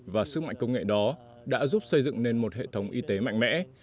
và sức mạnh công nghệ đó đã giúp xây dựng nên một hệ thống y tế mạnh mẽ